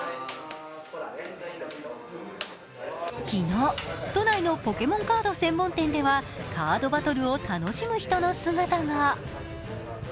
昨日、都内のポケモンカード専門店ではカードバトルを楽しむ人の姿が。